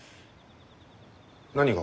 何が？